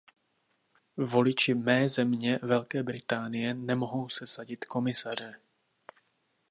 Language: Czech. Voliči mé země, Velké Británie, nemohou sesadit komisaře.